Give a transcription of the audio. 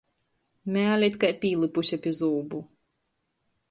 Mēle it kai pīlypuse pi zūbu.